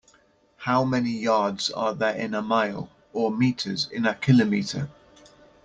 How many yards are there are in a mile, or metres in a kilometre?